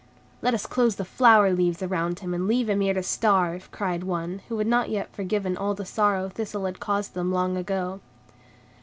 "Let us close the flower leaves around him and leave him here to starve," cried one, who had not yet forgotten all the sorrow Thistle had caused them long ago.